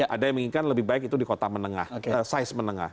ada yang menginginkan lebih baik itu di kota size menengah